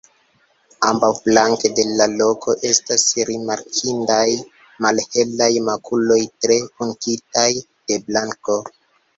Ambaŭflanke de la kolo estas rimarkindaj malhelaj makuloj tre punktitaj de blanko.